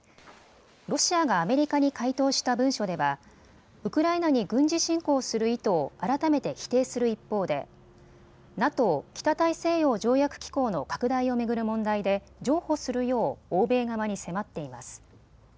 ロシアがアメリカに回答した文書ではウクライナに軍事侵攻する意図を改めて否定する一方で、ＮＡＴＯ・北大西洋条約機構の拡大を巡る問題で譲歩するよう欧米側に迫っています。